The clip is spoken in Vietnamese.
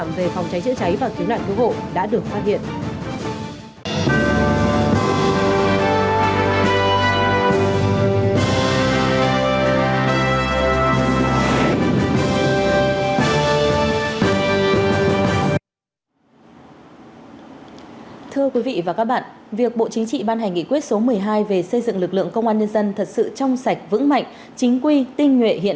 yêu cầu các cơ sở khắc phục một trăm linh vi phạm về phòng cháy chữa cháy và cứu nạn cứu hộ đã được phát hiện